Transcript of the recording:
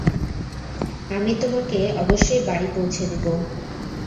আমি তোমাকে অবশ্যই বাড়ি পৌঁছে দিব।